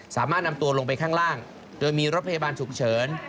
สามารถนำตัวลงไปข้างล่างโดยมีรถพยาบาลฉุกเฉิน